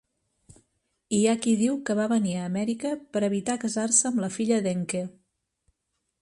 Hi ha qui diu que va venir a Amèrica per evitar casar-se amb la filla d'Encke.